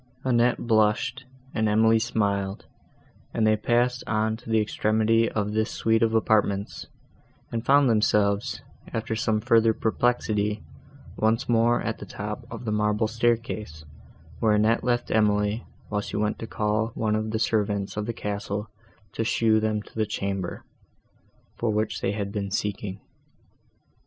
Annette blushed, and Emily smiled, and they passed on to the extremity of this suite of apartments, and found themselves, after some further perplexity, once more at the top of the marble staircase, where Annette left Emily, while she went to call one of the servants of the castle to show them to the chamber, for which they had been seeking.